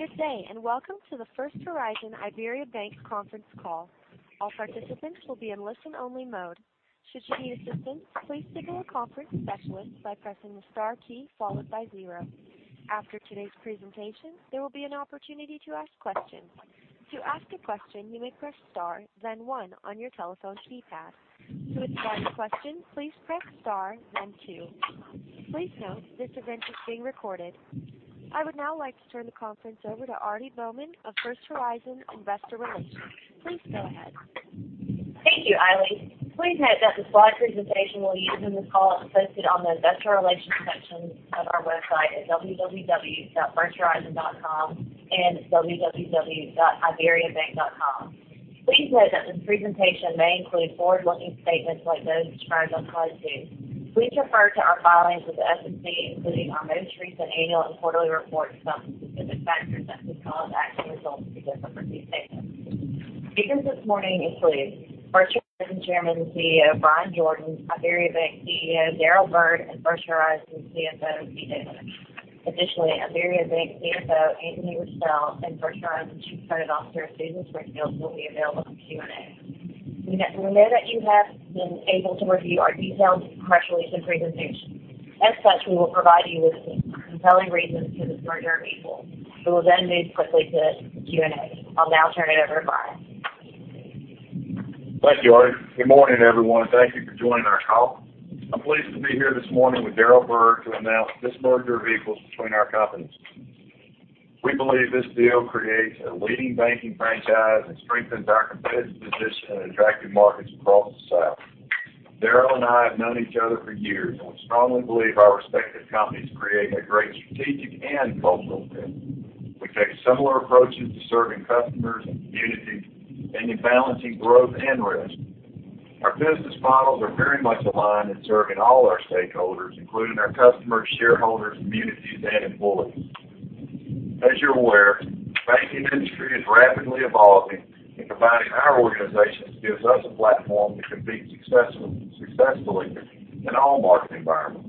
Good day, welcome to the First Horizon IBERIABANK conference call. All participants will be in listen only mode. Should you need assistance, please signal a conference specialist by pressing the star key followed by zero. After today's presentation, there will be an opportunity to ask questions. To ask a question, you may press star then one on your telephone keypad. To withdraw your question, please press star then two. Please note this event is being recorded. I would now like to turn the conference over to Aarti Bowman of First Horizon Investor Relations. Please go ahead. Thank you, Aarti. Please note that the slide presentation we'll use in this call is posted on the investor relations section of our website at www.firsthorizon.com and www.iberiabank.com. Please note that this presentation may include forward-looking statements like those described on Page two. Please refer to our filings with the SEC, including our most recent annual and quarterly reports about specific factors that could cause actual results to differ from these statements. Speakers this morning include First Horizon Chairman and CEO, Bryan Jordan, IBERIABANK CEO, Daryl Byrd, and First Horizon CFO, B.J. Losch. Additionally, IBERIABANK CFO, Anthony Restel, and First Horizon Chief Credit Officer, Susan Springfield, will be available for Q&A. We know that you have been able to review our detailed press release and presentation. As such, we will provide you with compelling reasons for this Merger of Equals. We will then move quickly to Q&A. I'll now turn it over to Bryan. Thank you, Artie. Good morning, everyone, and thank you for joining our call. I'm pleased to be here this morning with Daryl Byrd to announce this Merger of Equals between our companies. We believe this deal creates a leading banking franchise and strengthens our competitive position in attractive markets across the South. Daryl and I have known each other for years and we strongly believe our respective companies create a great strategic and cultural fit. We take similar approaches to serving customers and communities and in balancing growth and risk. Our business models are very much aligned in serving all our stakeholders, including our customers, shareholders, communities, and employees. As you're aware, the banking industry is rapidly evolving and combining our organizations gives us a platform to compete successfully in all market environments.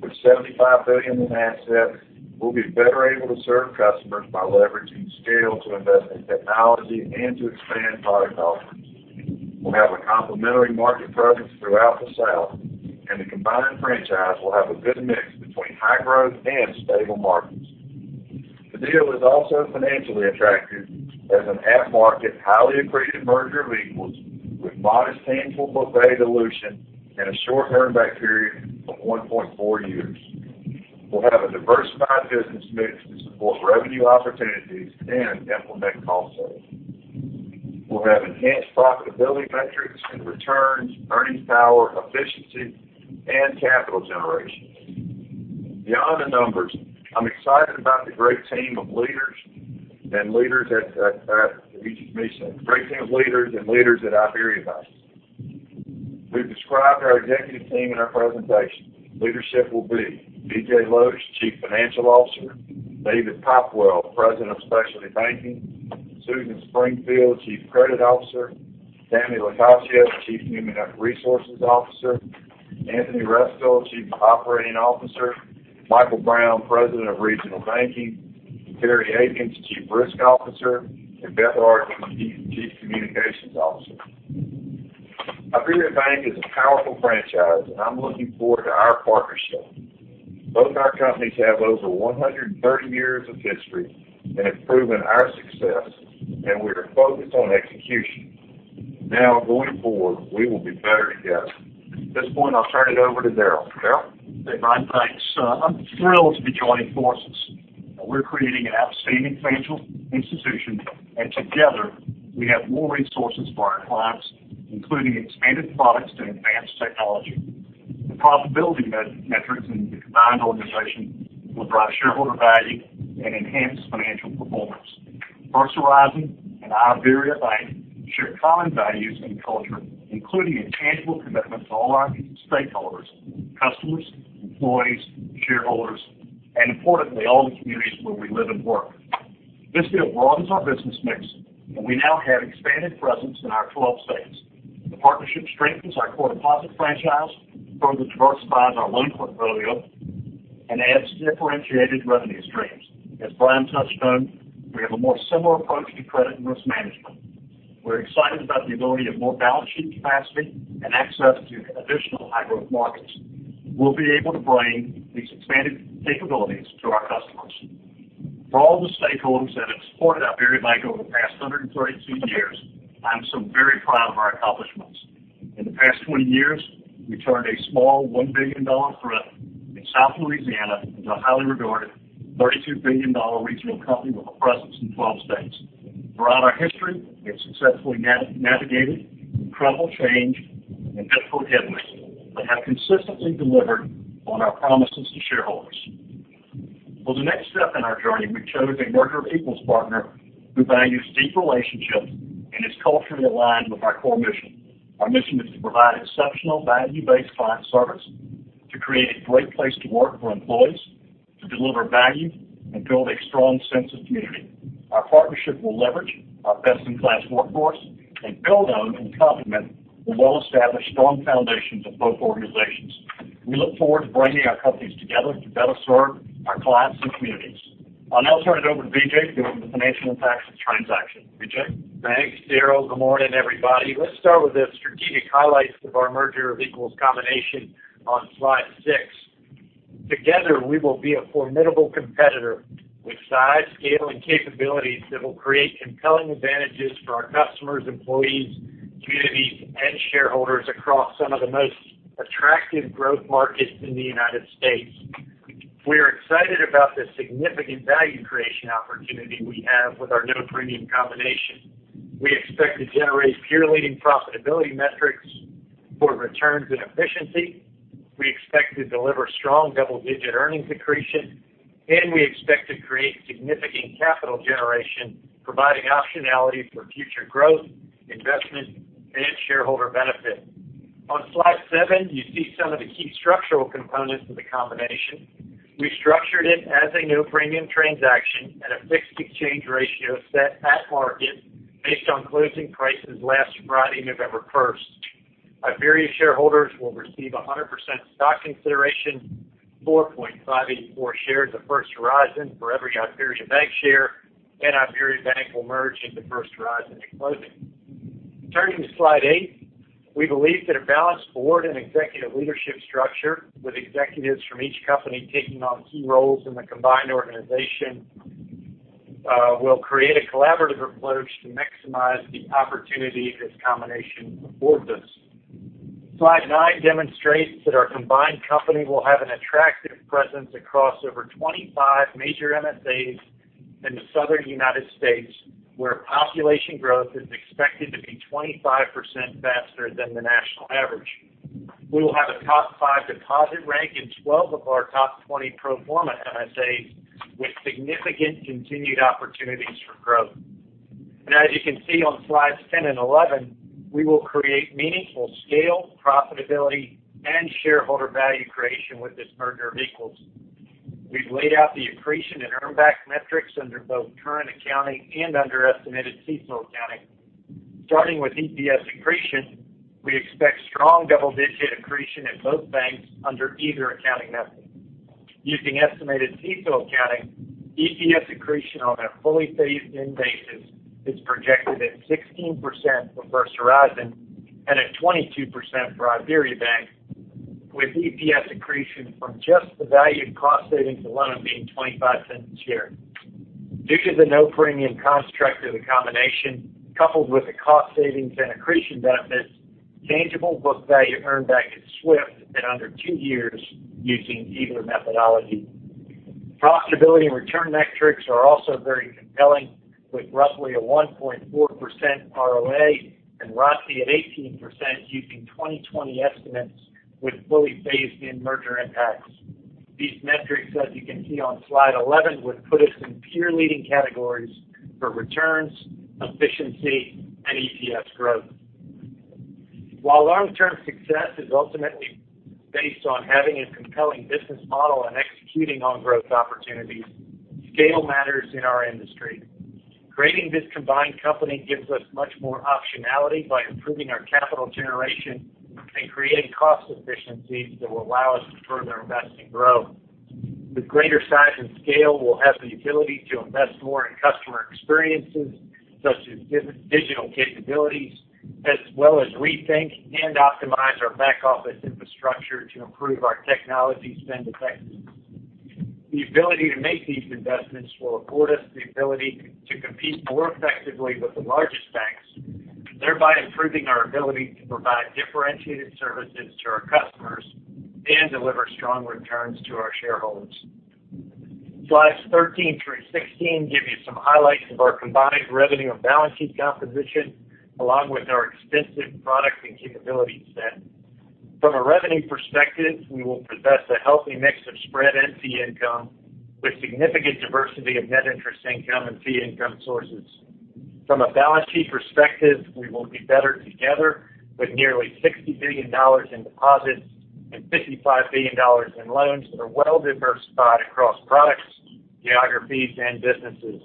With $75 billion in assets, we'll be better able to serve customers by leveraging scale to invest in technology and to expand product offerings. We'll have a complementary market presence throughout the South, and the combined franchise will have a good mix between high growth and stable markets. The deal is also financially attractive as an at-market, highly accretive Merger of Equals with modest tangible book value dilution and a short earn back period of 1.4 years. We'll have a diversified business mix to support revenue opportunities and implement cost savings. We'll have enhanced profitability metrics and returns, earnings power, efficiency, and capital generation. Beyond the numbers, I'm excited about the great team of leaders at IBERIABANK. We've described our executive team in our presentation. Leadership will be B.J. Losch, Chief Financial Officer, David Popwell, President of Specialty Banking, Susan Springfield, Chief Credit Officer, Tanya Hart, Chief Human Resources Officer, Anthony Restel, Chief Operating Officer, Michael Brown, President of Regional Banking, Terry Akins, Chief Risk Officer, and Beth Ardoin, Chief Communications Officer. IBERIABANK is a powerful franchise and I'm looking forward to our partnership. Both our companies have over 130 years of history and have proven our success. We are focused on execution. Going forward, we will be better together. At this point, I'll turn it over to Daryl. Daryl? Hey, Bryan, thanks. I'm thrilled to be joining forces. We're creating an outstanding financial institution, and together we have more resources for our clients, including expanded products and advanced technology. The profitability metrics in the combined organization will drive shareholder value and enhance financial performance. First Horizon and IBERIABANK share common values and culture, including a tangible commitment to all our stakeholders, customers, employees, shareholders, and importantly, all the communities where we live and work. This deal broadens our business mix, and we now have expanded presence in our 12 states. The partnership strengthens our core deposit franchise, further diversifies our loan portfolio, and adds differentiated revenue streams. As Bryan touched on, we have a more similar approach to credit and risk management. We're excited about the ability of more balance sheet capacity and access to additional high-growth markets. We'll be able to bring these expanded capabilities to our customers. For all the stakeholders that have supported IBERIABANK over the past 132 years, I'm so very proud of our accomplishments. In the past 20 years, we turned a small $1 billion thrift in South Louisiana into a highly regarded $32 billion regional company with a presence in 12 states. Throughout our history, we have successfully navigated incredible change and difficult headwinds but have consistently delivered on our promises to shareholders. For the next step in our journey, we chose a Merger of Equals partner who values deep relationships and is culturally aligned with our core mission. Our mission is to provide exceptional value-based client service, to create a great place to work for employees, to deliver value and build a strong sense of community. Our partnership will leverage our best-in-class workforce and build on and complement the well-established strong foundations of both organizations. We look forward to bringing our companies together to better serve our clients and communities. I'll now turn it over to B.J. to go over the financial impacts of this transaction. B.J.? Thanks, Daryl. Good morning, everybody. Let's start with the strategic highlights of our Merger of Equals combination on slide six. Together, we will be a formidable competitor with size, scale, and capabilities that will create compelling advantages for our customers, employees, communities, and shareholders across some of the most attractive growth markets in the United States. We are excited about this significant value creation opportunity we have with our no-premium combination. We expect to generate peer-leading profitability metrics for returns and efficiency. We expect to deliver strong double-digit earnings accretion, and we expect to create significant capital generation, providing optionality for future growth, investment, and shareholder benefit. On slide seven, you see some of the key structural components of the combination. We structured it as a no-premium transaction at a fixed exchange ratio set at market based on closing prices last Friday, November 1st. Iberia shareholders will receive 100% stock consideration, 4.584 shares of First Horizon for every IberiaBank share, and IberiaBank will merge into First Horizon at closing. Turning to slide eight, we believe that a balanced board and executive leadership structure with executives from each company taking on key roles in the combined organization will create a collaborative approach to maximize the opportunity this combination affords us. Slide nine demonstrates that our combined company will have an attractive presence across over 25 major MSAs in the Southern United States, where population growth is expected to be 25% faster than the national average. We will have a top five deposit rank in 12 of our top 20 pro forma MSAs, with significant continued opportunities for growth. As you can see on slides 10 and 11, we will create meaningful scale, profitability, and shareholder value creation with this merger of equals. We've laid out the accretion and earn back metrics under both current accounting and under estimated CECL accounting. Starting with EPS accretion, we expect strong double-digit accretion in both banks under either accounting method. Using estimated CECL accounting, EPS accretion on a fully phased-in basis is projected at 16% for First Horizon and at 22% for IBERIABANK, with EPS accretion from just the fully phased-in cost savings alone being $0.25 a share. Due to the no-premium construct of the combination, coupled with the cost savings and accretion benefits, tangible book value earn back is swift at under two years using either methodology. Profitability and return metrics are also very compelling, with roughly a 1.4% ROA and ROTCE at 18% using 2020 estimates with fully phased-in merger impacts. These metrics, as you can see on slide 11, would put us in peer-leading categories for returns, efficiency, and EPS growth. While long-term success is ultimately based on having a compelling business model and executing on growth opportunities, scale matters in our industry. Creating this combined company gives us much more optionality by improving our capital generation and creating cost efficiencies that will allow us to further invest and grow. With greater size and scale, we'll have the ability to invest more in customer experiences, such as digital capabilities, as well as rethink and optimize our back office infrastructure to improve our technology spend effectiveness. The ability to make these investments will afford us the ability to compete more effectively with the largest banks, thereby improving our ability to provide differentiated services to our customers and deliver strong returns to our shareholders. Slides 13 through 16 give you some highlights of our combined revenue and balance sheet composition, along with our extensive product and capability set. From a revenue perspective, we will possess a healthy mix of spread and fee income, with significant diversity of net interest income and fee income sources. From a balance sheet perspective, we will be better together with nearly $60 billion in deposits and $55 billion in loans that are well diversified across products, geographies, and businesses.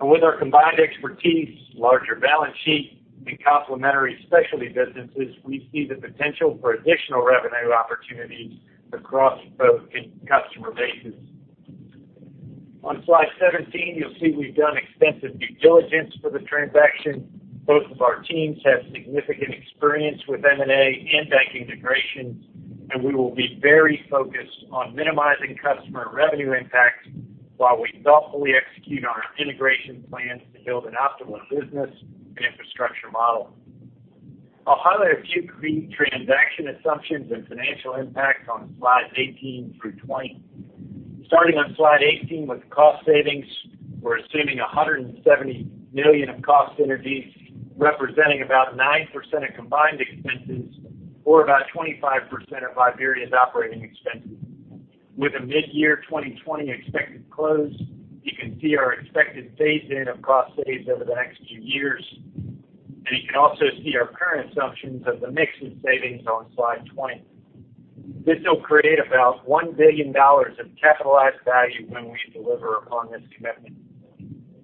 with our combined expertise, larger balance sheet, and complementary specialty businesses, we see the potential for additional revenue opportunities across both customer bases. On slide 17, you'll see we've done extensive due diligence for the transaction. Both of our teams have significant experience with M&A and bank integrations, and we will be very focused on minimizing customer revenue impact while we thoughtfully execute our integration plans to build an optimal business and infrastructure model. I'll highlight a few key transaction assumptions and financial impacts on slides 18 through 20. Starting on slide 18 with cost savings, we're assuming $170 million of cost synergies, representing about 9% of combined expenses or about 25% of IBERIABANK's operating expenses. With a mid-year 2020 expected close, you can see our expected phase-in of cost savings over the next few years, and you can also see our current assumptions of the mix in savings on slide 20. This will create about $1 billion of capitalized value when we deliver upon this commitment.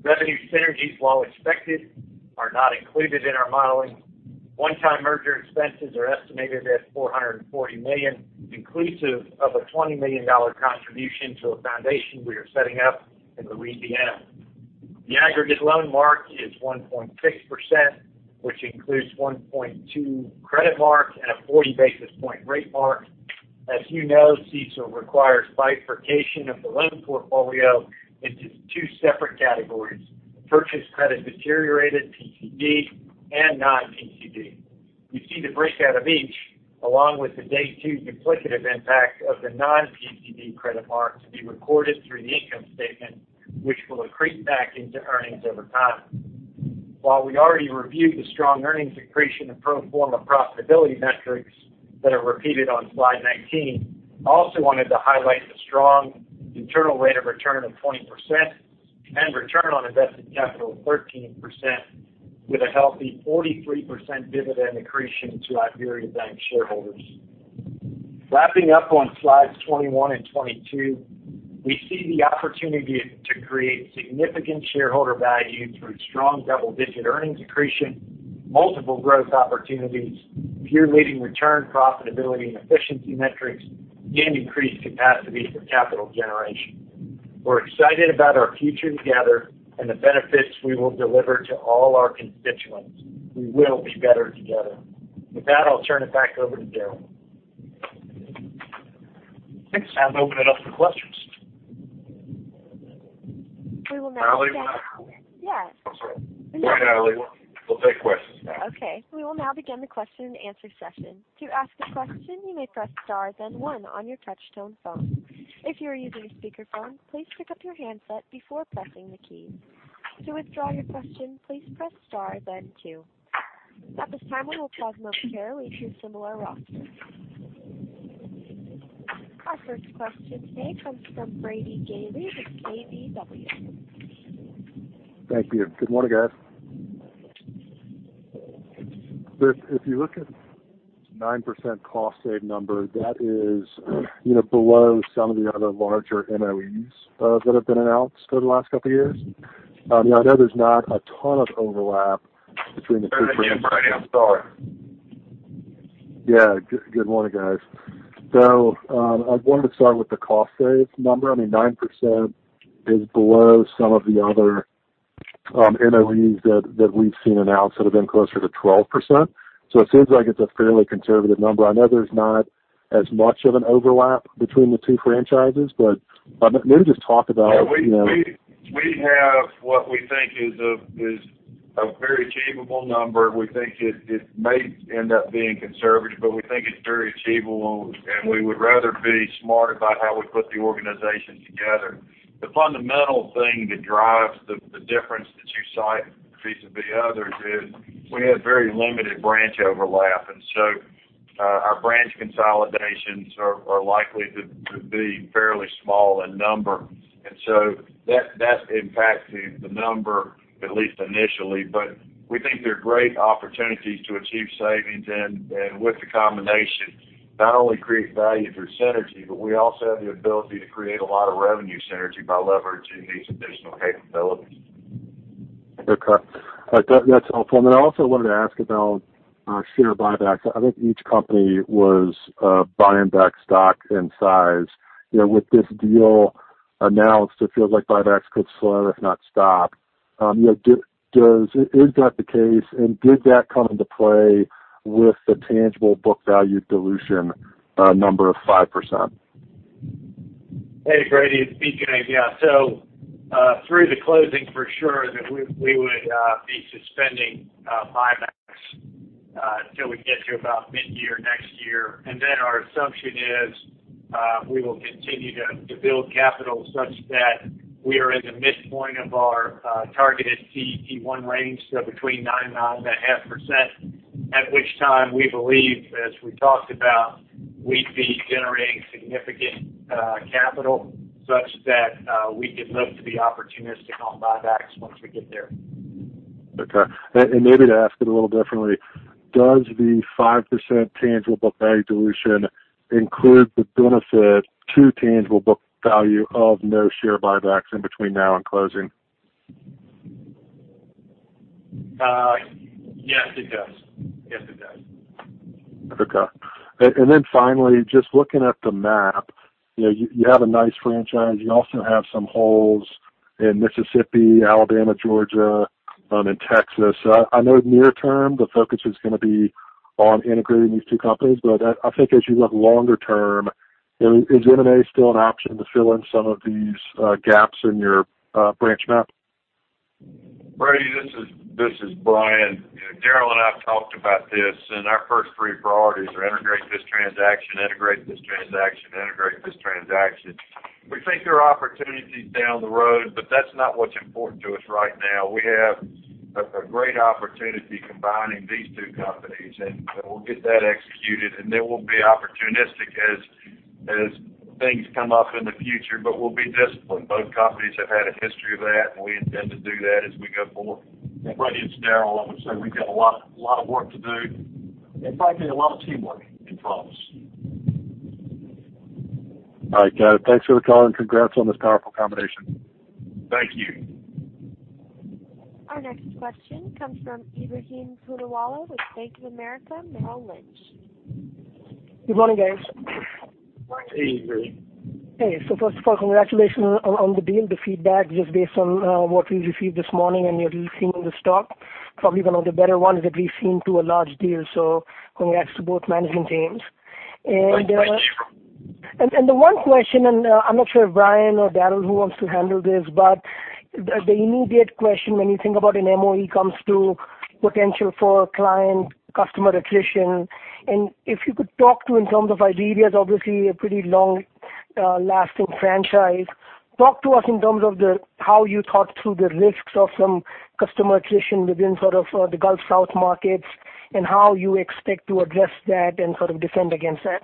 Revenue synergies, while expected, are not included in our modeling. One-time merger expenses are estimated at $440 million, inclusive of a $20 million contribution to a foundation we are setting up in Louisiana. The aggregate loan mark is 1.6%, which includes 1.2 credit mark and a 40-basis point rate mark. As you know, CECL requires bifurcation of the loan portfolio into 2 separate categories, purchase credit deteriorated, PCD, and non-PCD. You see the breakout of each, along with the day 2 duplicative impact of the non-PCD credit mark to be recorded through the income statement, which will accrete back into earnings over time. While we already reviewed the strong earnings accretion and pro forma profitability metrics that are repeated on slide 19, I also wanted to highlight the strong internal rate of return of 20% and return on invested capital of 13% with a healthy 43% dividend accretion to IBERIABANK shareholders. Wrapping up on slides 21 and 22, we see the opportunity to create significant shareholder value through strong double-digit earnings accretion, multiple growth opportunities, peer-leading return profitability and efficiency metrics, and increased capacity for capital generation. We're excited about our future together and the benefits we will deliver to all our constituents. We will be better together. With that, I'll turn it back over to Daryl. Thanks. Opening it up for questions. We will now begin. Now we will. Yes. I'm sorry. Go ahead, Operator. We'll take questions now. Okay, we will now begin the question and answer session. To ask a question, you may press star then one on your touch tone phone. If you are using a speakerphone, please pick up your handset before pressing the key. To withdraw your question, please press star then two. At this time, we will pause momentarily to similar roster. Our first question today comes from Brady Gailey with KBW. Thank you. Good morning, guys. If you look at 9% cost save number, that is below some of the other larger MOEs that have been announced over the last couple years. I know there's not a ton of overlap between the two- Sorry again, Brady. I'm sorry. Yeah. Good morning, guys. I wanted to start with the cost save number. I mean, 9% is below some of the other MOEs that we've seen announced that have been closer to 12%. It seems like it's a fairly conservative number. I know there's not as much of an overlap between the two franchises, but maybe just talk about- Yeah. We have what we think is a very achievable number. We think it may end up being conservative, but we think it's very achievable, and we would rather be smart about how we put the organization together. The fundamental thing that drives the difference that you cite vis-a-vis the others is we have very limited branch overlap, and so our branch consolidations are likely to be fairly small in number. That impacts the number, at least initially. We think they're great opportunities to achieve savings and, with the combination, not only create value through synergy, but we also have the ability to create a lot of revenue synergy by leveraging these additional capabilities. Okay. That's helpful. I also wanted to ask about share buybacks. I think each company was buying back stock in size. With this deal announced, it feels like buybacks could slow, if not stop. Is that the case, and did that come into play with the tangible book value dilution number of 5%? Hey, Brady, it's me, James. Yeah. Through the closing for sure that we would be suspending buybacks until we get to about mid-year next year. our assumption is we will continue to build capital such that we are in the midpoint of our targeted CET1 range of between nine and 9.5%, at which time we believe, as we talked about, we'd be generating significant capital such that we could look to be opportunistic on buybacks once we get there. Okay. Maybe to ask it a little differently, does the 5% tangible book value dilution include the benefit to tangible book value of no share buybacks in between now and closing? Yes, it does. Okay. finally, just looking at the map, you have a nice franchise. You also have some holes in Mississippi, Alabama, Georgia, and in Texas. I know near term, the focus is going to be on integrating these two companies. I think as you look longer term, is M&A still an option to fill in some of these gaps in your branch map? Brady, this is Bryan. Daryl and I have talked about this, and our first three priorities are integrate this transaction. We think there are opportunities down the road, but that's not what's important to us right now. We have a great opportunity combining these two companies, and we'll get that executed, and then we'll be opportunistic as things come up in the future, but we'll be disciplined. Both companies have had a history of that, and we intend to do that as we go forward. Brady, it's Daryl. I would say we've got a lot of work to do. In fact, a lot of teamwork in front of us. All right, Brady. Thanks for the call and congrats on this powerful combination. Thank you. Our next question comes from Ebrahim Poonawala with Bank of America Merrill Lynch. Good morning, guys. Morning. Hey, Ebrahim. Hey. First of all, congratulations on the deal. The feedback, just based on what we've received this morning and we are seeing in the stock, probably one of the better ones that we've seen to a large deal. Congrats to both management teams. Thanks. Thank you. The one question, and I'm not sure if Brian or Daryl, who wants to handle this, but the immediate question when you think about an M&A comes to potential for client customer attrition. If you could talk to, in terms of Iberia, obviously a pretty long lasting franchise. Talk to us in terms of how you thought through the risks of some customer attrition within the Gulf South markets, and how you expect to address that and defend against that.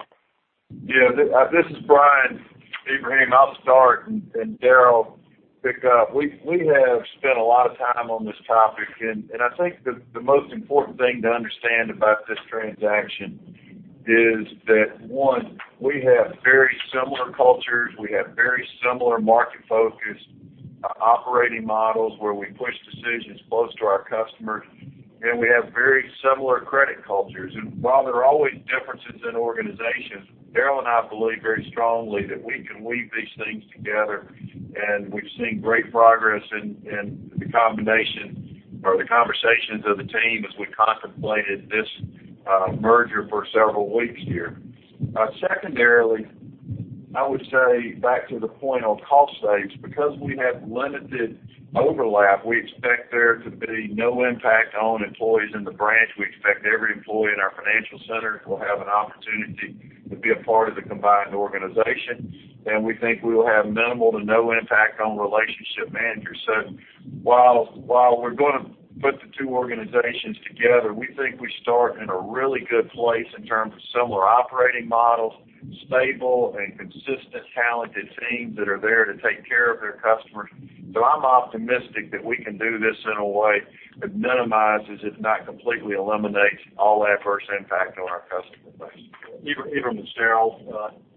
Yeah. This is Brian, Ebrahim. I'll start and Daryl pick up. We have spent a lot of time on this topic, and I think the most important thing to understand about this transaction is that, one, we have very similar cultures, we have very similar market focus, operating models where we push decisions close to our customers, and we have very similar credit cultures. While there are always differences in organizations, Daryl and I believe very strongly that we can weave these things together, and we've seen great progress in the combination or the conversations of the team as we contemplated this merger for several weeks here. Secondarily, I would say back to the point on cost saves, because we have limited overlap, we expect there to be no impact on employees in the branch. We expect every employee in our financial center will have an opportunity to be a part of the combined organization, and we think we'll have minimal to no impact on relationship managers. While we're going to put the two organizations together, we think we start in a really good place in terms of similar operating models, stable and consistent, talented teams that are there to take care of their customers. I'm optimistic that we can do this in a way that minimizes, if not completely eliminates all adverse impact on our customer base. Ebrahim, it's Daryl.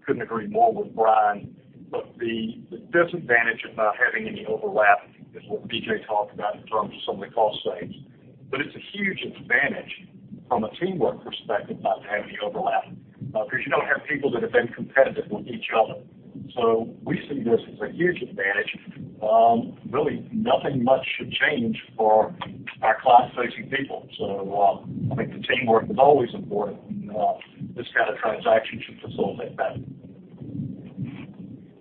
Couldn't agree more with Brian, but the disadvantage of not having any overlap is what B.J. talked about in terms of some of the cost saves. It's a huge advantage from a teamwork perspective not to have any overlap, because you don't have people that have been competitive with each other. We see this as a huge advantage. Really nothing much should change for our client-facing people. I think the teamwork is always important, and this kind of transaction should facilitate that.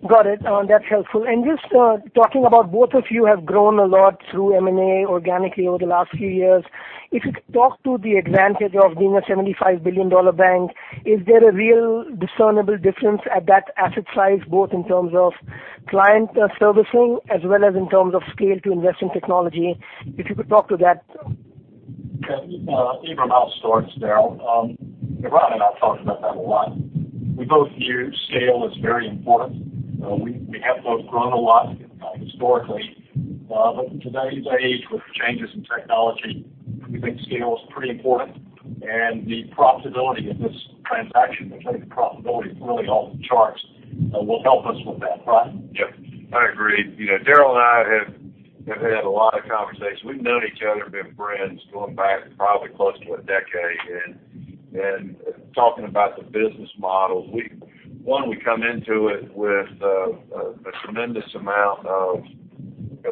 Got it. That's helpful. Just talking about both of you have grown a lot through M&A organically over the last few years. If you could talk to the advantage of being a $75 billion bank, is there a real discernible difference at that asset size, both in terms of client servicing as well as in terms of scale to invest in technology? If you could talk to that. Okay. Ibrahim, I'll start, it's Daryl. Brian and I talked about that a lot. We both view scale as very important. We have both grown a lot historically, but in today's age, with the changes in technology, we think scale is pretty important. The profitability of this transaction, which made the profitability really off the charts, will help us with that. Brian? Yep. I agree. Daryl and I have had a lot of conversations. We've known each other, been friends going back probably close to a decade, and talking about the business models. One, we come into it with a tremendous amount of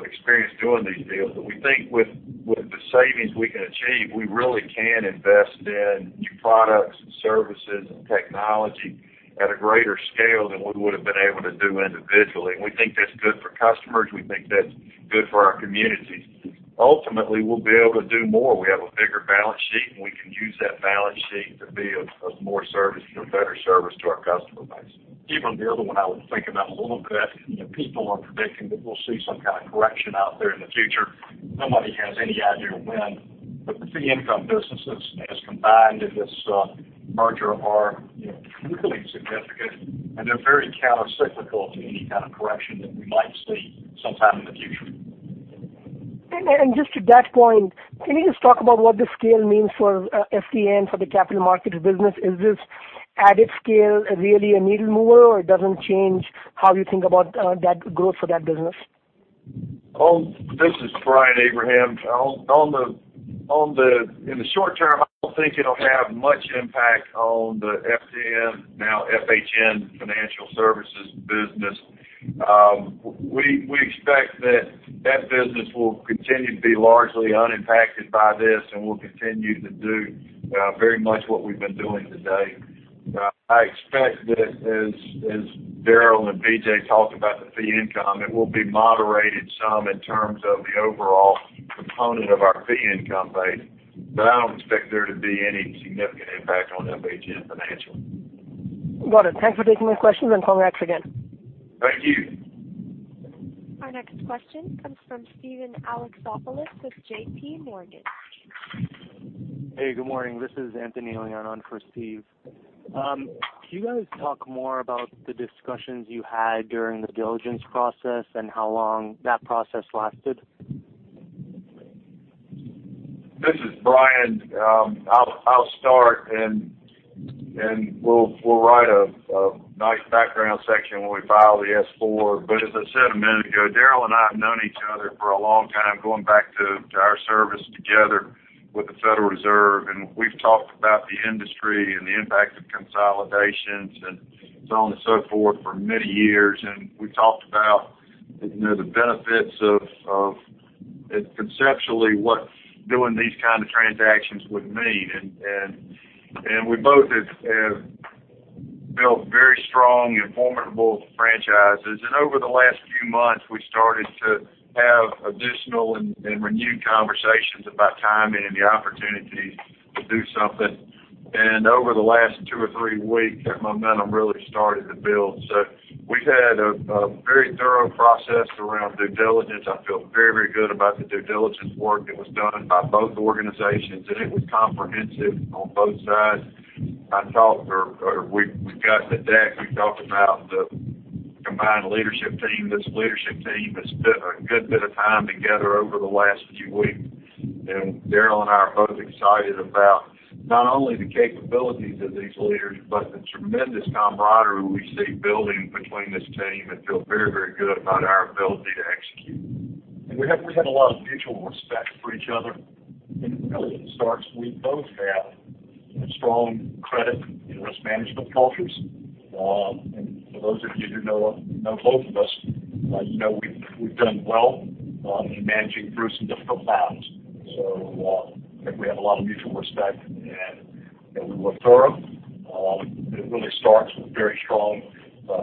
experience doing these deals. We think with the savings we can achieve, we really can invest in new products and services and technology at a greater scale than we would have been able to do individually. We think that's good for customers. We think that's good for our communities. Ultimately, we'll be able to do more. We have a bigger balance sheet, and we can use that balance sheet to be of more service, better service to our customer base. Ibrahim, the other one I was thinking of a little bit, people are predicting that we'll see some kind of correction out there in the future. Nobody has any idea when, but the fee income businesses as combined in this merger are really significant, and they're very countercyclical to any kind of correction that we might see sometime in the future. Just to that point, can you just talk about what the scale means for FCN, for the capital markets business? Is this added scale really a needle mover, or it doesn't change how you think about that growth for that business? This is Brian, Ebrahim. In the short term, I don't think it'll have much impact on the FHN, now FHN Financial business. We expect that that business will continue to be largely unimpacted by this, and we'll continue to do very much what we've been doing today. I expect that as Daryl and B.J. talked about the fee income, it will be moderated some in terms of the overall component of our fee income base. I don't expect there to be any significant impact on FHN Financial. Got it. Thanks for taking my questions, and congrats again. Thank you. Our next question comes from Steven Alexopoulos with JP Morgan. Hey, good morning. This is Anthony Leon on for Steve. Can you guys talk more about the discussions you had during the diligence process and how long that process lasted? This is Brian. I'll start, and we'll write a nice background section when we file the S4. as I said a minute ago, Daryl and I have known each other for a long time, going back to our service together with the Federal Reserve, and we've talked about the industry and the impact of consolidations and so on and so forth for many years. we talked about the benefits of conceptually what doing these kind of transactions would mean. we both have built very strong and formidable franchises. over the last few months, we started to have additional and renewed conversations about timing and the opportunities to do something. over the last two or three weeks, that momentum really started to build. we've had a very thorough process around due diligence. I feel very good about the due diligence work that was done by both organizations, and it was comprehensive on both sides. We've got the deck. We've talked about the combined leadership team. This leadership team has spent a good bit of time together over the last few weeks, and Daryl and I are both excited about not only the capabilities of these leaders but the tremendous camaraderie we see building between this team and feel very good about our ability to execute. We have a lot of mutual respect for each other. Really, it starts, we both have strong credit and risk management cultures. For those of you who know both of us, you know we've done well in managing through some difficult times. I think we have a lot of mutual respect, and we look for them. It really starts with very strong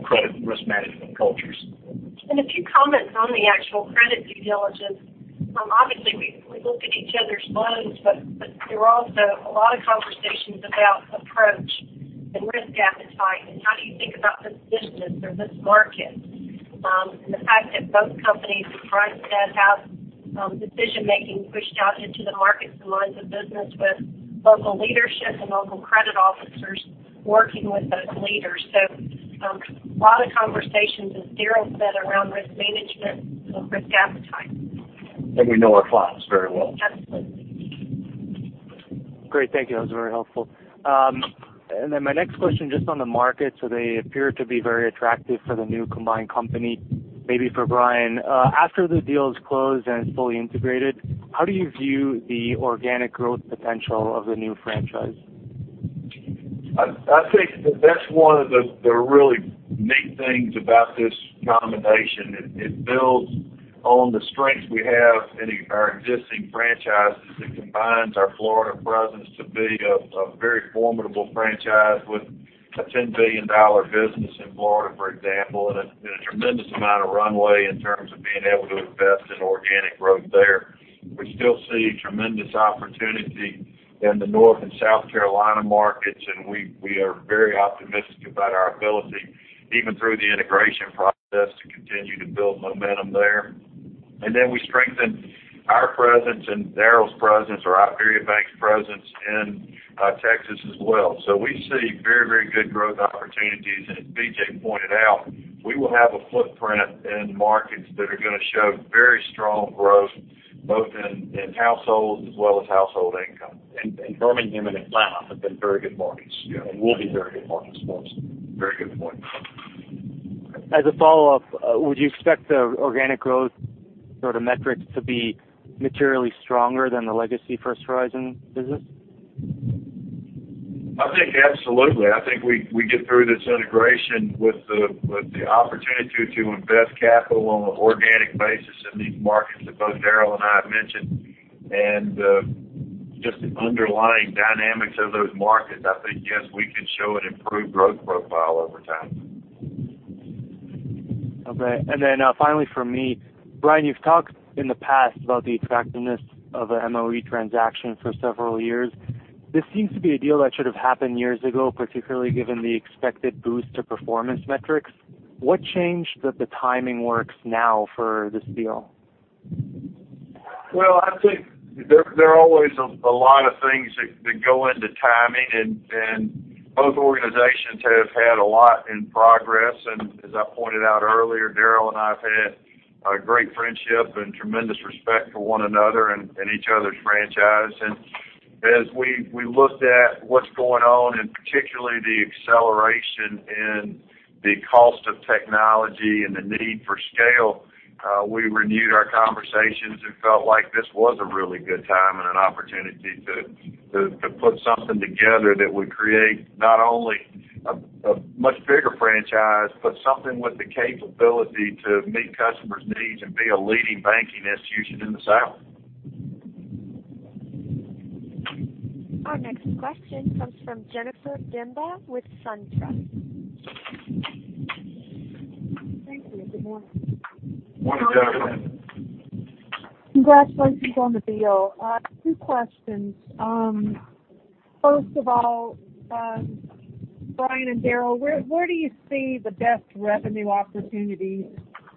credit and risk management cultures. A few comments on the actual credit due diligence. Obviously, we looked at each other's loans, but there were also a lot of conversations about approach and risk appetite and how do you think about this business or this market. The fact that both companies and Brian said have decision-making pushed out into the markets and lines of business with local leadership and local credit officers working with those leaders. A lot of conversations as Daryl said around risk management and risk appetite. We know our clients very well. Absolutely. Great. Thank you. That was very helpful. My next question, just on the market, so they appear to be very attractive for the new combined company. Maybe for Brian, after the deal is closed and it's fully integrated, how do you view the organic growth potential of the new franchise? I think that's one of the really neat things about this combination. It builds on the strengths we have in our existing franchises. It combines our Florida presence to be a very formidable franchise with a $10 billion business in Florida, for example, and a tremendous amount of runway in terms of being able to invest in organic growth there. We still see tremendous opportunity in the North and South Carolina markets, and we are very optimistic about our ability, even through the integration process, to continue to build momentum there. We strengthen our presence and Daryl's presence or IBERIABANK's presence in Texas as well. We see very good growth opportunities. As B.J. pointed out, we will have a footprint in markets that are going to show very strong growth, both in households as well as household income. Birmingham and Atlanta have been very good markets- Yeah will be very good markets for us. Very good point. As a follow-up, would you expect the organic growth sort of metrics to be materially stronger than the legacy First Horizon business? I think absolutely. I think we get through this integration with the opportunity to invest capital on an organic basis in these markets that both Daryl and I have mentioned. Just the underlying dynamics of those markets, I think, yes, we can show an improved growth profile over time. Okay. finally from me, Brian, you've talked in the past about the attractiveness of an M&A transaction for several years. This seems to be a deal that should have happened years ago, particularly given the expected boost to performance metrics. What changed that the timing works now for this deal? Well, I think there are always a lot of things that go into timing, and both organizations have had a lot in progress. As I pointed out earlier, Daryl and I have had a great friendship and tremendous respect for one another and each other's franchise. As we looked at what's going on, and particularly the acceleration in the cost of technology and the need for scale, we renewed our conversations and felt like this was a really good time and an opportunity to put something together that would create not only a much bigger franchise but something with the capability to meet customers' needs and be a leading banking institution in the South. Our next question comes from Jennifer Demba with SunTrust. Thank you. Good morning. Morning, Jennifer. Congratulations on the deal. Two questions. First of all, Brian and Daryl, where do you see the best revenue opportunities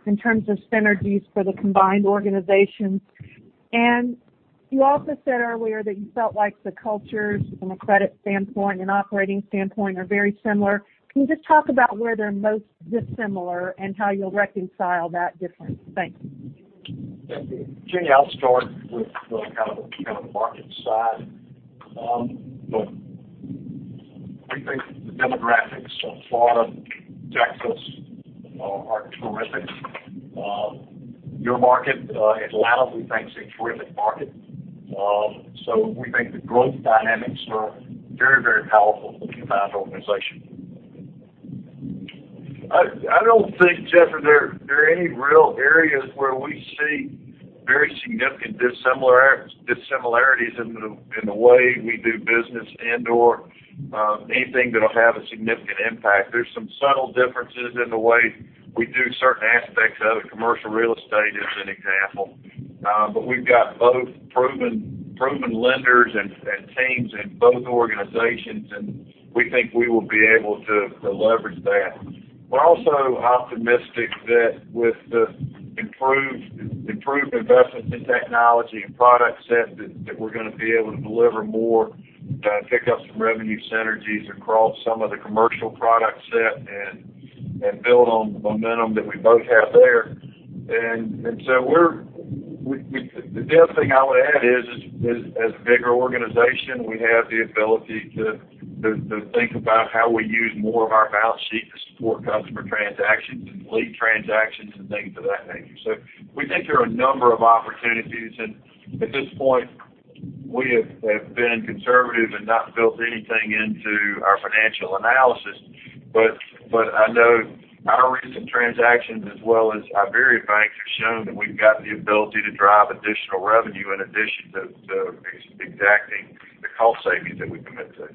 in terms of synergies for the combined organizations? You also said earlier that you felt like the cultures from a credit standpoint and operating standpoint are very similar. Can you just talk about where they're most dissimilar and how you'll reconcile that difference? Thanks. Thank you. Jennifer, I'll start with the kind of market side. We think the demographics of Florida, Texas are terrific. Your market, Atlanta, we think is a terrific market. We think the growth dynamics are very powerful for combined organization. I don't think, Jennifer, there are any real areas where we see very significant dissimilarities in the way we do business and/or anything that'll have a significant impact. There's some subtle differences in the way we do certain aspects of it, commercial real estate as an example. We've got both proven lenders and teams in both organizations, and we think we will be able to leverage that. We're also optimistic that with the improved investment in technology and product set, that we're going to be able to deliver more, pick up some revenue synergies across some of the commercial product set, and build on the momentum that we both have there. The other thing I would add is, as a bigger organization, we have the ability to think about how we use more of our balance sheet to support customer transactions and lead transactions, and things of that nature. We think there are a number of opportunities, and at this point, we have been conservative and not built anything into our financial analysis. I know our recent transactions, as well as IberiaBank's, have shown that we've got the ability to drive additional revenue in addition to extracting the cost savings that we commit to.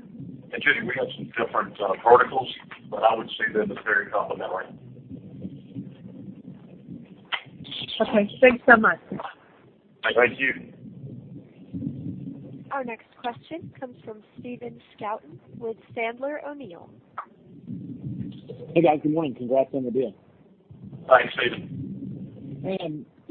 Judy, we have some different verticals, but I would say they're very complementary. Okay, thanks so much. Thank you. Our next question comes from Stephen Scouten with Sandler O'Neill. Hey, guys, good morning. Congrats on the deal. Thanks, Stephen.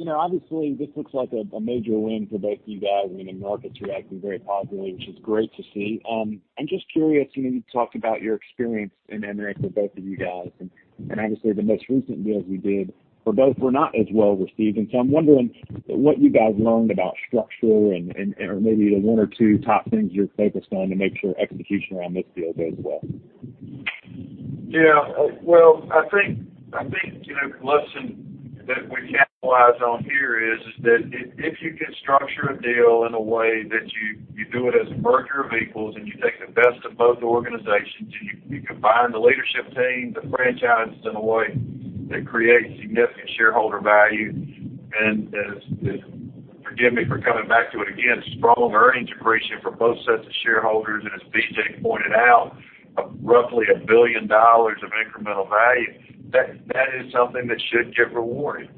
Obviously this looks like a major win for both of you guys. The market's reacting very positively, which is great to see. I'm just curious, you talked about your experience in M&A for both of you guys, and obviously the most recent deals you did for both were not as well received. I'm wondering what you guys learned about structure and, or maybe the one or two top things you're focused on to make sure execution around this deal goes well. Well, I think the lesson that we capitalize on here is that if you can structure a deal in a way that you do it as a Merger of Equals, and you take the best of both organizations, and you combine the leadership team, the franchise in a way that creates significant shareholder value and, forgive me for coming back to it again, strong earnings accretion for both sets of shareholders. As B.J. pointed out, roughly $1 billion of incremental value, that is something that should get rewarded.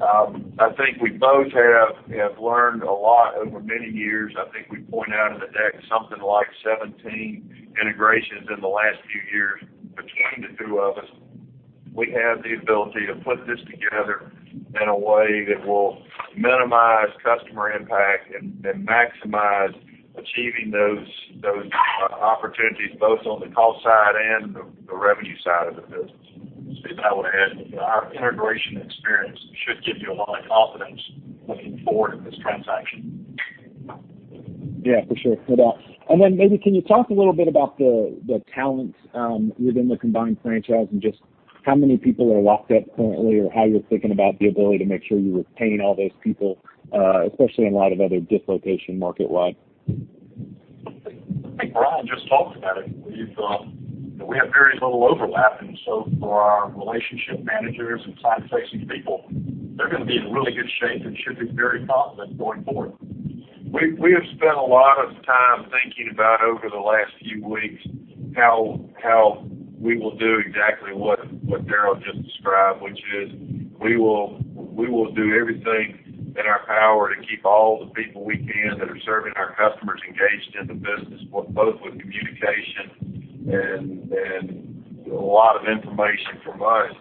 I think we both have learned a lot over many years. I think we point out in the deck something like 17 integrations in the last few years between the two of us. We have the ability to put this together in a way that will minimize customer impact and maximize achieving those opportunities, both on the cost side and the revenue side of the business. Stephen, I would add, our integration experience should give you a lot of confidence looking forward at this transaction. Yeah, for sure. No doubt. Maybe, can you talk a little bit about the talents within the combined franchise and just how many people are locked up currently, or how you're thinking about the ability to make sure you retain all those people, especially in light of other dislocation market wide? I think Brian just talked about it. We have very little overlap. For our relationship managers and client-facing people, they're going to be in really good shape and should be very confident going forward. We have spent a lot of time thinking about over the last few weeks how we will do exactly what Daryl just described, which is we will do everything in our power to keep all the people we can that are serving our customers engaged in the business, both with communication and a lot of information from us.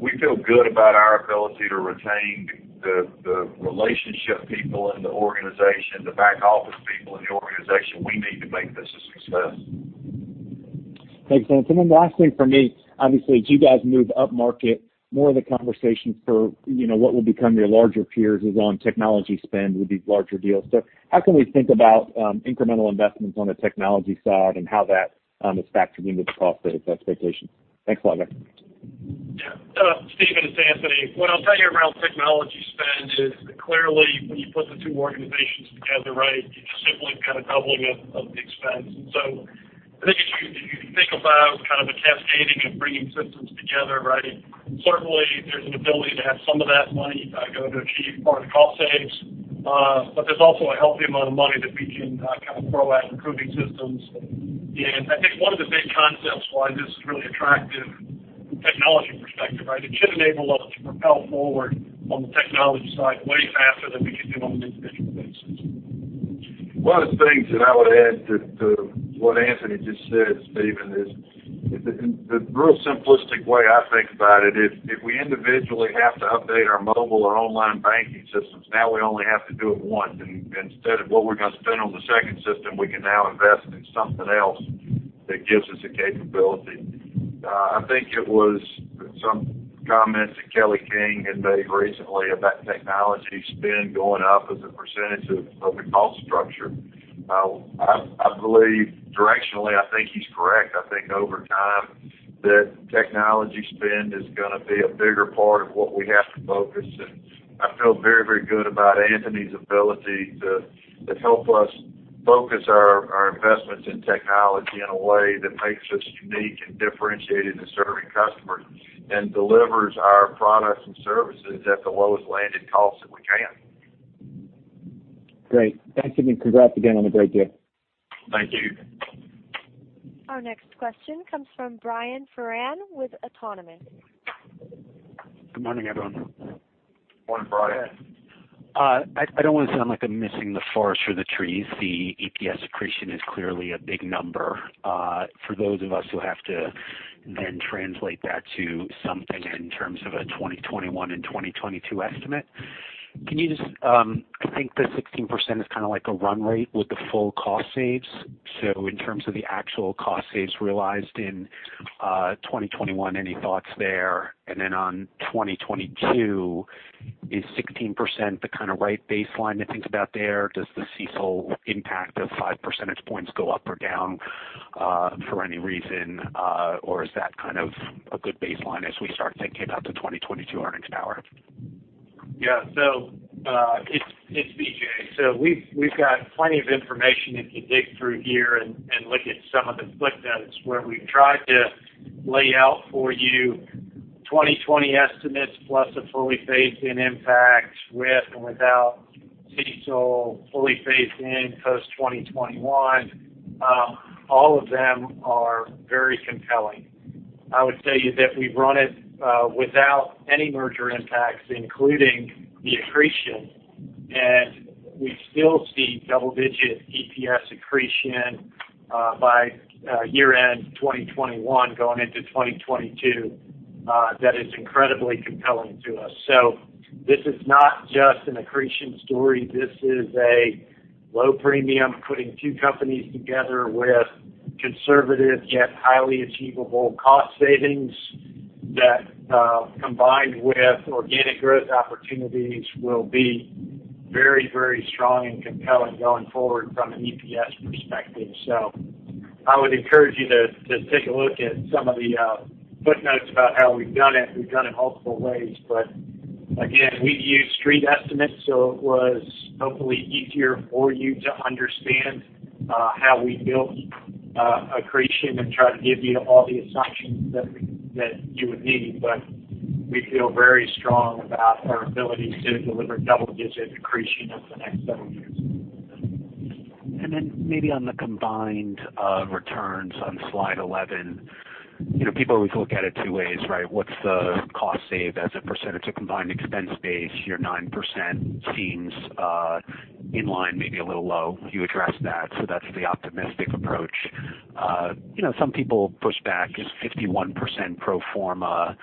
We feel good about our ability to retain the relationship people in the organization, the back office people in the organization we need to make this a success. Thanks, gentlemen. The last thing from me, obviously, as you guys move up market, more of the conversations for what will become your larger peers is on technology spend with these larger deals. How can we think about incremental investments on the technology side and how that is factored into the cost save expectations? Thanks a lot, guys. Yeah, Stephen, it's Anthony. What I'll tell you around technology spend is clearly when you put the two organizations together, you're just simply kind of doubling up of the expense. I think as you think about kind of a cascading of bringing systems together, certainly there's an ability to have some of that money go to achieve part of the cost saves. There's also a healthy amount of money that we can kind of throw at improving systems. I think one of the big concepts why this is really attractive from a technology perspective, it should enable us to propel forward on the technology side way faster than we could do on an individual basis. One of the things that I would add to what Anthony just said, Stephen, is the real simplistic way I think about it is if we individually have to update our mobile or online banking systems, now we only have to do it once. Instead of what we're going to spend on the second system, we can now invest in something else that gives us a capability. I think it was some comments that Kelly King had made recently about technology spend going up as a percentage of the cost structure. Directionally, I think he's correct. I think over time, that technology spend is going to be a bigger part of what we have to focus. I feel very good about Anthony's ability to help us focus our investments in technology in a way that makes us unique and differentiated in serving customers, and delivers our products and services at the lowest landed cost that we can. Great. Thanks again, and congrats again on a great deal. Thank you. Our next question comes from Brian Foran with Autonomous. Good morning, everyone. Morning, Brian. I don't want to sound like I'm missing the forest for the trees. The EPS accretion is clearly a big number. For those of us who have to then translate that to something in terms of a 2021 and 2022 estimate, I think the 16% is kind of like a run rate with the full cost saves. In terms of the actual cost saves realized in 2021, any thoughts there? On 2022, is 16% the kind of right baseline to think about there? Does the CECL impact of five percentage points go up or down for any reason? Is that kind of a good baseline as we start thinking about the 2022 earnings power? Yeah. It's B.J. We've got plenty of information you can dig through here and look at some of the footnotes where we've tried to lay out for you 2020 estimates plus a fully phased-in impact with and without CECL fully phased in post-2021. All of them are very compelling. I would say that we've run it without any merger impacts, including the accretion, and we still see double-digit EPS accretion by year-end 2021 going into 2022. That is incredibly compelling to us. This is not just an accretion story. This is a low premium, putting two companies together with conservative, yet highly achievable cost savings that, combined with organic growth opportunities, will be very strong and compelling going forward from an EPS perspective. I would encourage you to take a look at some of the footnotes about how we've done it. We've done it multiple ways. Again, we've used Street estimates, so it was hopefully easier for you to understand how we built accretion and try to give you all the assumptions that you would need. We feel very strong about our ability to deliver double-digit accretion over the next several years. maybe on the combined returns on slide 11. People always look at it two ways, right? What's the cost save as a percentage of combined expense base? Your 9% seems in line, maybe a little low. You addressed that, so that's the optimistic approach. Some people push back. Is 51% pro forma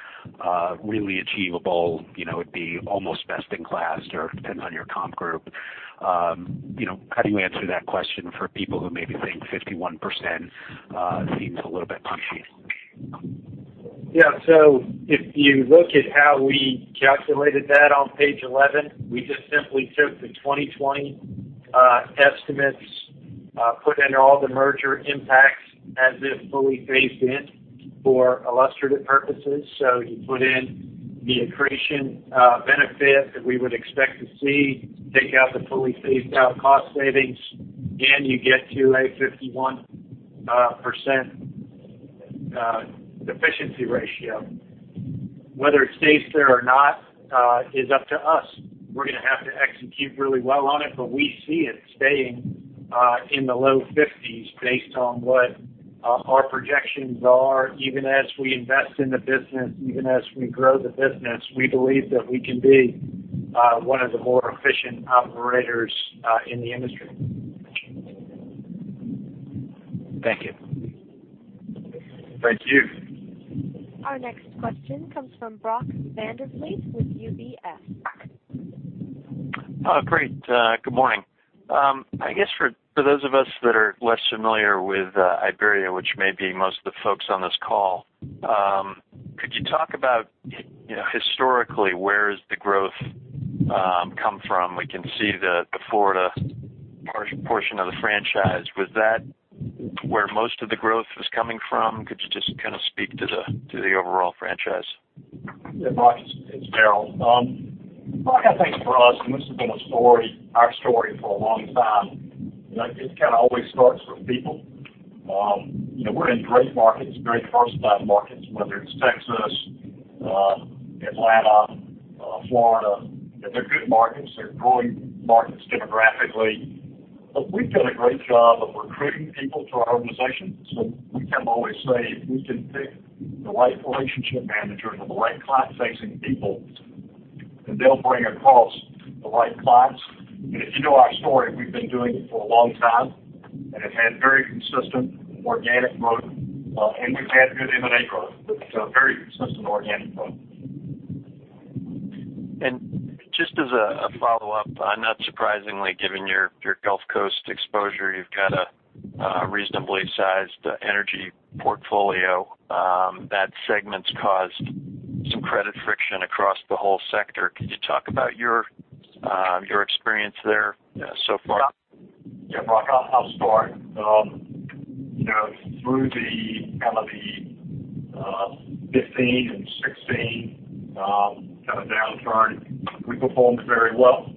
really achievable? It'd be almost best in class, or it depends on your comp group. How do you answer that question for people who maybe think 51% seems a little bit punchy? Yeah. If you look at how we calculated that on page 11, we just simply took the 2020 estimates, put in all the merger impacts as if fully phased in for illustrative purposes. You put in the accretion benefit that we would expect to see, take out the fully phased out cost savings, and you get to a 51% efficiency ratio. Whether it stays there or not is up to us. We're going to have to execute really well on it, but we see it staying in the low 50s based on what our projections are. Even as we invest in the business, even as we grow the business, we believe that we can be one of the more efficient operators in the industry. Thank you. Thank you. Our next question comes from Brock Vandervliet with UBS. Great. Good morning. I guess for those of us that are less familiar with Iberia, which may be most of the folks on this call, could you talk about historically, where has the growth come from? We can see the Florida portion of the franchise. Was that where most of the growth was coming from? Could you just kind of speak to the overall franchise? Yeah, Brock, it's Daryl. I think for us, and this has been our story for a long time, it kind of always starts with people. We're in great markets, very first-class markets, whether it's Texas, Atlanta, Florida. They're good markets. They're growing markets demographically. We've done a great job of recruiting people to our organization. We kind of always say, if we can pick the right relationship managers or the right client-facing people, then they'll bring across the right clients. If you know our story, we've been doing it for a long time, and have had very consistent organic growth. We've had good M&A growth, but very consistent organic growth. just as a follow-up, not surprisingly, given your Gulf Coast exposure, you've got a reasonably sized energy portfolio. That segment's caused some credit friction across the whole sector. Could you talk about your experience there so far? Yeah, Mark, I'll start. Through the kind of the '15 and '16 kind of downturn, we performed very well.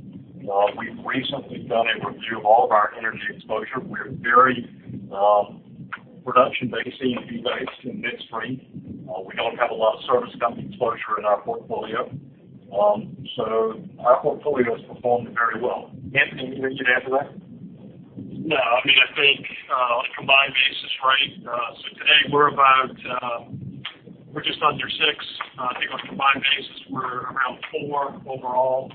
We've recently done a review of all of our energy exposure. We're very production-based, E&P based, and midstream. We don't have a lot of service company exposure in our portfolio. Our portfolio has performed very well. Anthony, anything you'd add to that? No. I think on a combined basis, right, so today we're just under six. I think on a combined basis, we're around four overall.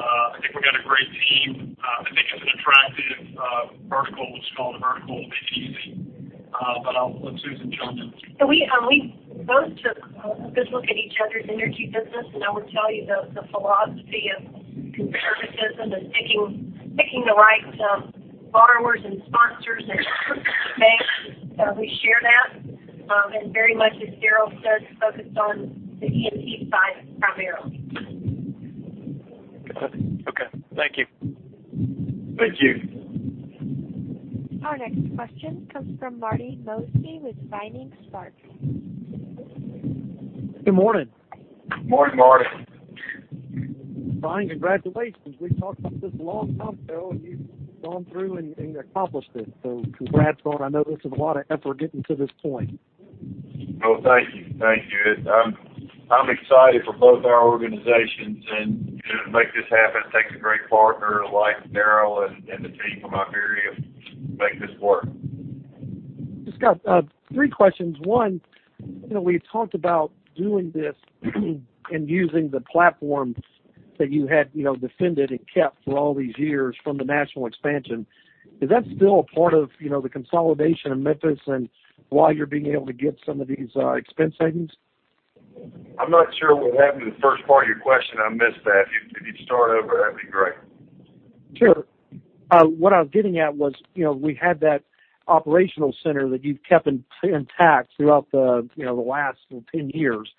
I think we've got a great team. I think it's an attractive vertical, what's called a vertical of B2B. I'll let Susan chime in. We both took a good look at each other's energy business, and I would tell you the philosophy of conservatism and picking the right borrowers and sponsors and banks, we share that. Very much, as Daryl said, focused on the E&P side primarily. Got it. Okay. Thank you. Thank you. Our next question comes from Marty Mosby with Vining Sparks. Good morning. Morning, Marty. Fine. Congratulations. We've talked about this a long time, Daryl, and you've gone through and accomplished it, so congrats. I know this is a lot of effort getting to this point. Well, thank you. Thank you. I'm excited for both our organizations, and to make this happen, it takes a great partner like Daryl and the team from Iberia to make this work. Just got three questions. One, we talked about doing this and using the platforms that you had defended and kept for all these years from the national expansion. Is that still a part of the consolidation of Memphis and why you're being able to get some of these expense savings? I'm not sure what happened to the first part of your question. I missed that. Could you start over? That'd be great. Sure. What I was getting at was, we had that operational center that you've kept intact throughout the last 10 years,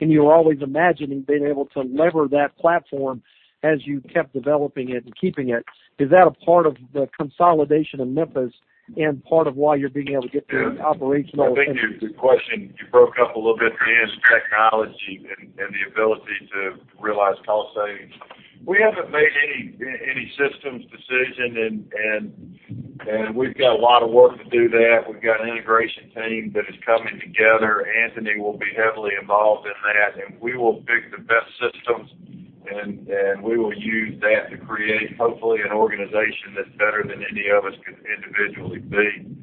and you were always imagining being able to lever that platform as you kept developing it and keeping it. Is that a part of the consolidation of Memphis and part of why you're being able to get the operational efficiency? I think the question, you broke up a little bit. It is technology and the ability to realize cost savings. We haven't made any systems decision, and we've got a lot of work to do there. We've got an integration team that is coming together. Anthony will be heavily involved in that, and we will pick the best systems, and we will use that to create, hopefully, an organization that's better than any of us could individually be.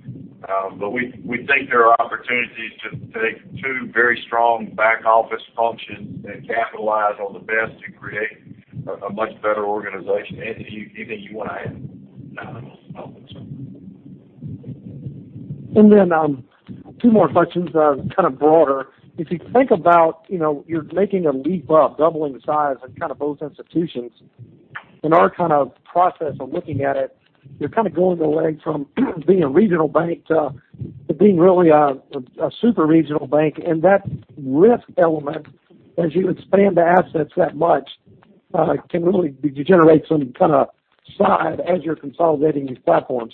We think there are opportunities to take two very strong back office functions and capitalize on the best to create a much better organization. Anthony, anything you want to add? No, I'm all set. two more questions, kind of broader. If you think about you're making a leap up, doubling the size in kind of both institutions. In our kind of process of looking at it, you're kind of going away from being a regional bank to being really a super regional bank. that risk element, as you expand the assets that much, can really degenerate some kind of side as you're consolidating these platforms.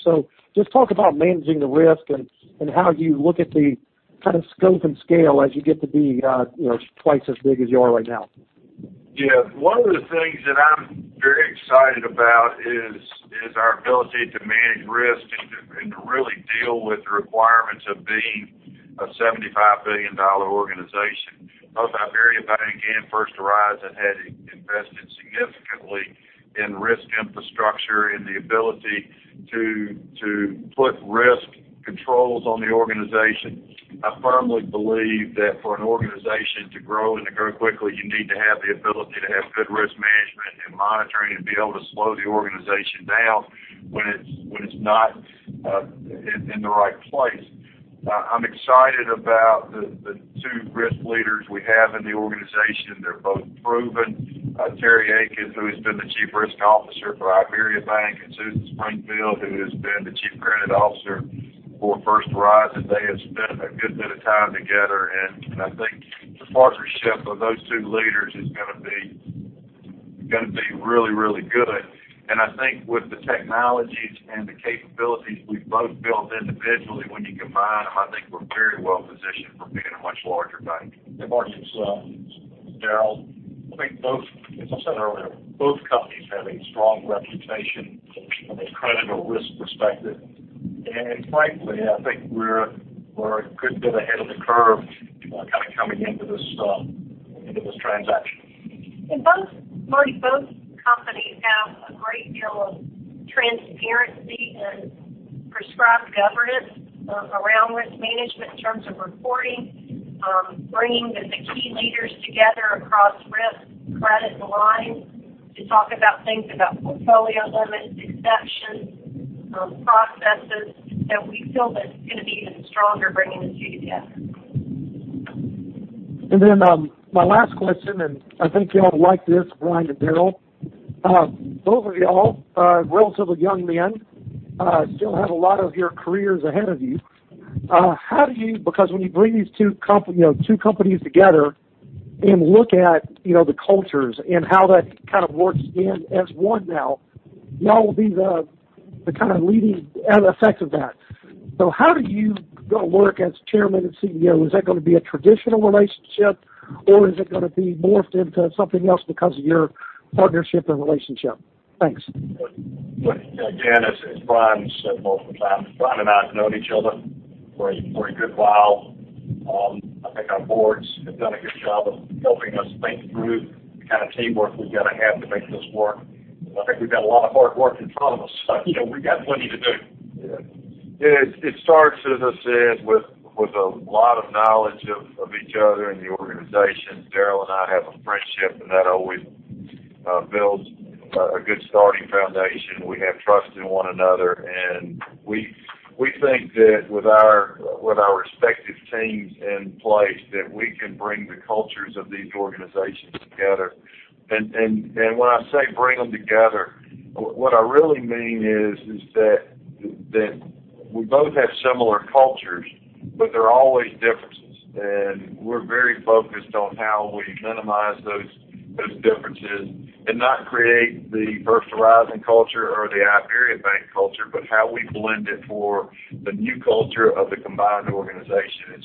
just talk about managing the risk and how you look at the kind of scope and scale as you get to be twice as big as you are right now. Yeah. One of the things that I'm very excited about is our ability to manage risk and to really deal with the requirements of being a $75 billion organization. Both IBERIABANK and First Horizon had invested significantly in risk infrastructure and the ability to put risk controls on the organization. I firmly believe that for an organization to grow and to grow quickly, you need to have the ability to have good risk management and monitoring and be able to slow the organization down when it's not in the right place. I'm excited about the two risk leaders we have in the organization. They're both proven. Terry Akins, who has been the Chief Risk Officer for IBERIABANK, and Susan Springfield, who has been the Chief Credit Officer for First Horizon, they have spent a good bit of time together, and I think the partnership of those two leaders is going to be really, really good. I think with the technologies and the capabilities we've both built individually, when you combine them, I think we're very well positioned for being a much larger bank. Marty and Daryl, I think both, as I said earlier, both companies have a strong reputation from a credit or risk perspective. Frankly, I think we're a good bit ahead of the curve kind of coming into this transaction. Marty, both companies have a great deal of transparency and prescribed governance around risk management in terms of reporting, bringing the key leaders together across risk, credit, and aligns to talk about things about portfolio limits, exceptions, processes that we feel that's going to be even stronger bringing the two together. my last question, and I think you all like this, Brian and Daryl. Both of y'all are relatively young men, still have a lot of your careers ahead of you. Because when you bring these two companies together and look at the cultures and how that kind of works in as one now, y'all will be the kind of leading end effect of that. So how do you work as chairman and CEO? Is that going to be a traditional relationship, or is it going to be morphed into something else because of your partnership and relationship? Thanks. Again, as Brian said multiple times, Brian and I have known each other for a good while. I think our boards have done a good job of helping us think through the kind of teamwork we've got to have to make this work. I think we've got a lot of hard work in front of us. We got plenty to do. Yeah. It starts, as I said, with a lot of knowledge of each other and the organization. Daryl and I have a friendship, and that always builds a good starting foundation. We have trust in one another, and we think that with our respective teams in place, that we can bring the cultures of these organizations together. When I say bring them together, what I really mean is that we both have similar cultures, but there are always differences. We're very focused on how we minimize those differences and not create the First Horizon culture or the IBERIABANK culture, but how we blend it for the new culture of the combined organization.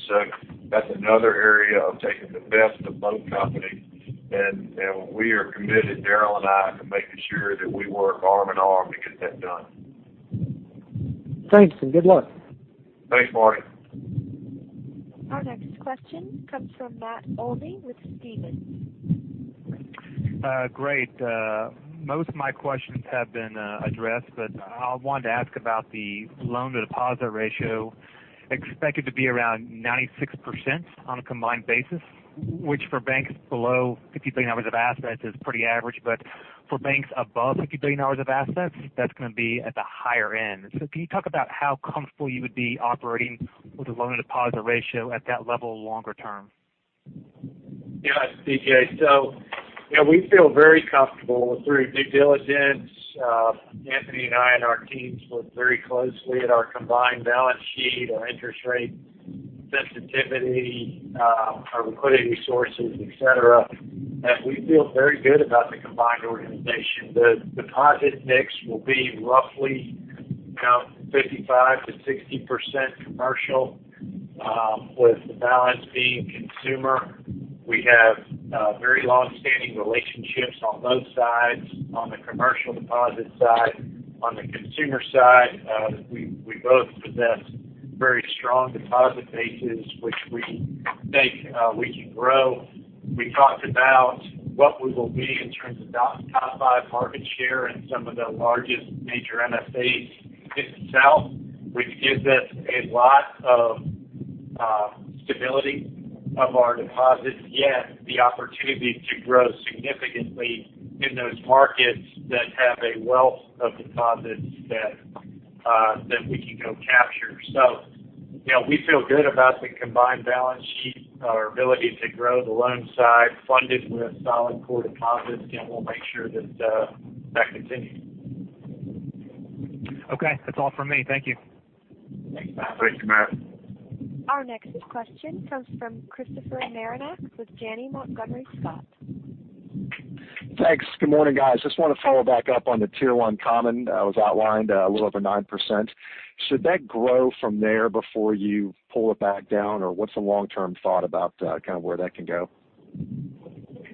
That's another area of taking the best of both companies. We are committed, Daryl and I, to making sure that we work arm in arm to get that done. Thanks, and good luck. Thanks, Marty. Our next question comes from Matt Olney with Stephens. Great. Most of my questions have been addressed, I wanted to ask about the loan-to-deposit ratio expected to be around 96% on a combined basis, which for banks below $50 billion of assets is pretty average. For banks above $50 billion of assets, that's going to be at the higher end. Can you talk about how comfortable you would be operating with a loan-to-deposit ratio at that level longer term? Yes, B.J. We feel very comfortable through due diligence. Anthony and I and our teams looked very closely at our combined balance sheet, our interest rate sensitivity, our liquidity sources, et cetera, and we feel very good about the combined organization. The deposit mix will be roughly 55% to 60% commercial, with the balance being consumer. We have very long-standing relationships on both sides, on the commercial deposit side. On the consumer side, we both possess very strong deposit bases, which we think we can grow. We talked about what we will be in terms of top five market share in some of the largest major MSAs in the South, which gives us a lot of stability of our deposits, yet the opportunity to grow significantly in those markets that have a wealth of deposits that we can go capture. We feel good about the combined balance sheet, our ability to grow the loan side funded with solid core deposits, and we'll make sure that that continues. Okay. That's all for me. Thank you. Thanks, Matt. Thanks, Matt. Our next question comes from Christopher Marinac with Janney Montgomery Scott. Thanks. Good morning, guys. Just want to follow back up on the Tier 1 Common that was outlined a little over 9%. Should that grow from there before you pull it back down, or what's the long-term thought about kind of where that can go?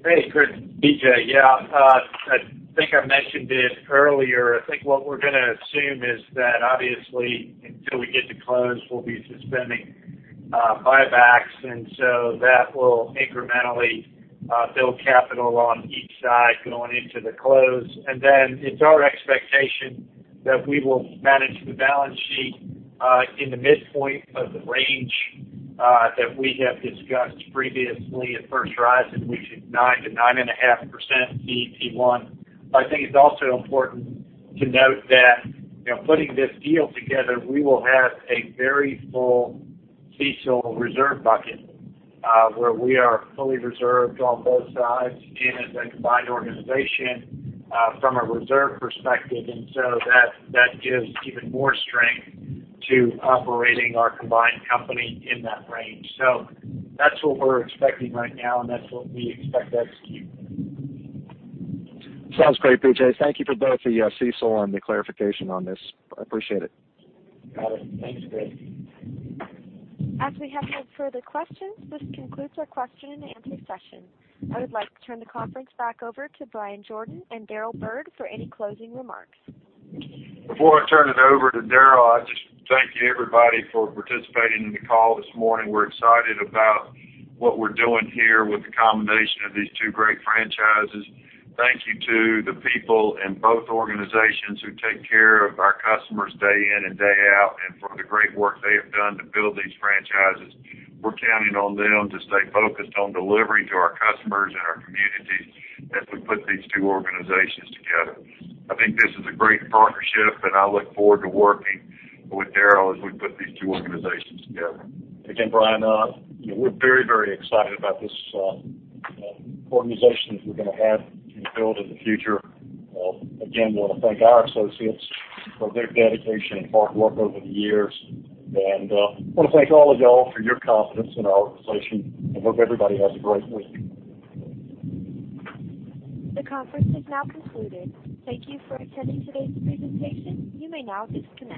Hey, Chris. B.J. Yeah. I think I mentioned it earlier. I think what we're going to assume is that obviously until we get to close, we'll be suspending buybacks, and so that will incrementally build capital on each side going into the close. It's our expectation that we will manage the balance sheet in the midpoint of the range that we have discussed previously at First Horizon, which is 9%-9.5% CET1. I think it's also important to note that putting this deal together, we will have a very full CECL reserve bucket where we are fully reserved on both sides and as a combined organization from a reserve perspective. That gives even more strength to operating our combined company in that range. That's what we're expecting right now, and that's what we expect to execute. Sounds great, B.J. Thank you for both the CECL and the clarification on this. I appreciate it. Got it. Thanks, Chris. As we have no further questions, this concludes our question and answer session. I would like to turn the conference back over to Bryan Jordan and Daryl Byrd for any closing remarks. Before I turn it over to Daryl, I just thank everybody for participating in the call this morning. We're excited about what we're doing here with the combination of these two great franchises. Thank you to the people in both organizations who take care of our customers day in and day out and for the great work they have done to build these franchises. We're counting on them to stay focused on delivering to our customers and our communities as we put these two organizations together. I think this is a great partnership, and I look forward to working with Daryl as we put these two organizations together. Again, Brian, we're very, very excited about this organization that we're going to have and build in the future. Again, want to thank our associates for their dedication and hard work over the years. Want to thank all of y'all for your confidence in our organization, and hope everybody has a great week. The conference is now concluded. Thank you for attending today's presentation. You may now disconnect.